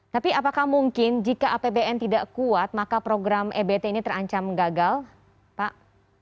tapi apakah mungkin jika apbn tidak kuat maka program ebt ini terancam gagal pak